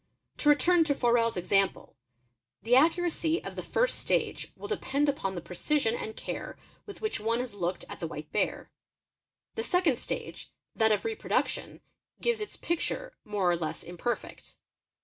'T'o _ return to Forel's example ; the accuracy of the first stage will depend on _ the precision and care with which one has looked at the white bear. The i second stage, that of reproduction, gives its picture, more or less imperfect.